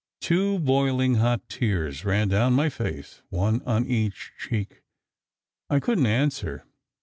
Two boiling hot tears ran down my face, one on each cheek. I couldn t answer.